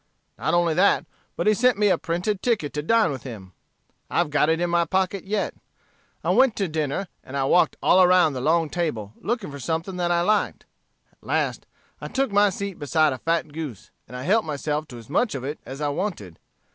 "Not only that, but he sent me a printed ticket to dine with him. I've got it in my pocket yet. I went to dinner, and I walked all around the long table, looking for something that I liked. At last I took my seat beside a fat goose, and I helped myself to as much of it as I wanted.